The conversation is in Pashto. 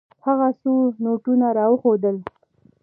هغه څو نوټونه راوښودل.